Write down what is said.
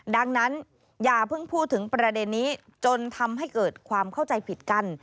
ดังนั้นอย่าเพิ่งพูดถึงประเด็นนี้จนทำให้เกิดความเข้าใจผิดกัน